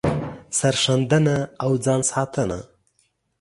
سر ښندنه او ځان ساتنه